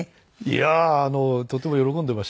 いやーとても喜んでいましたよ。